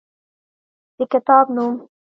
د کتاب نوم: